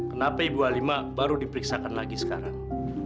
kenapa ibu halimah baru diperiksakan lagi sekarang